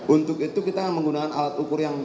untuk itu kita menggunakan